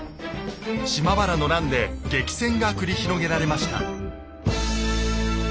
島原の乱で激戦が繰り広げられました。